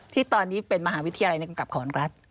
ที่ตอนนี้เป็นมหาวิทยาลัยในกำกับของรัฐ